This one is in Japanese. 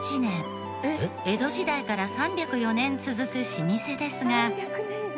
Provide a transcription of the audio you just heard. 江戸時代から３０４年続く老舗ですが。